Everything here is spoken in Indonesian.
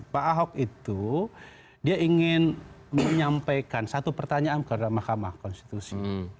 pak ahok itu dia ingin menyampaikan satu pertanyaan kepada mahkamah konstitusi